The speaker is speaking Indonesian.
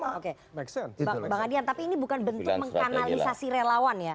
bang adian tapi ini bukan bentuk menganalisasi relawan ya